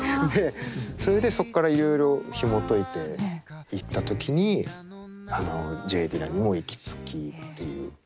でそれでそっからいろいろひもといていった時にＪ・ディラにも行き着きっていう。